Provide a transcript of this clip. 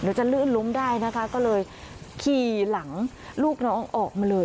จะลื่นล้มได้นะคะก็เลยขี่หลังลูกน้องออกมาเลย